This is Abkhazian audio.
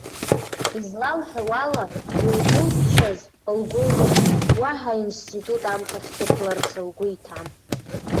Излалҳәауала илгәылтәшаз лгәылтәит, уаҳа аинститут амԥахь дықәларц лгәы иҭам.